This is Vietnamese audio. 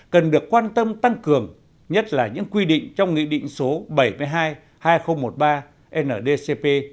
cần được quan tâm tăng cường nhất là những quy định trong nghị định số bảy mươi hai hai nghìn một mươi ba ndcp